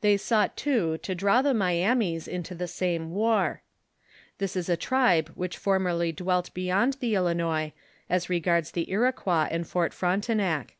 They sought too to draw the Myamis into the same war. This is a tribe which formerly dwelt beyond the Il inois, as regards the Iroquois and Fort Frontenac.